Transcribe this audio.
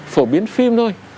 phổ biến phim thôi